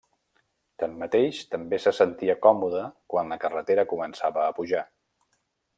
Tanmateix, també se sentia còmode quan la carretera començava a pujar.